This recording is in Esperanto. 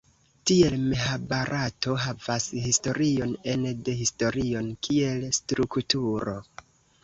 Tiel Mahabarato havas historion ene de historion kiel strukturo.